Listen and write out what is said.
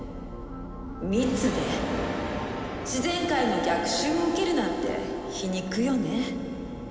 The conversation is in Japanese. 密で自然界の逆襲を受けるなんて皮肉よね。